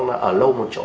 nó ở lâu một chỗ